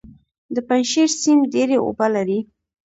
د پنجشیر سیند ډیرې اوبه لري